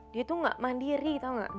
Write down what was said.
dia tuh gak mandiri tau gak